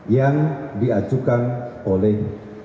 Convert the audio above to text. yang diajukan oleh